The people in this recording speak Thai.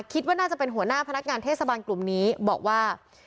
คิดว่าน่าจะเป็นหัวหน้าพนักงานเทศบาลกลุ่มนี้บอกว่า